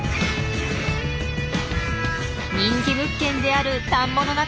人気物件である田んぼの中の林。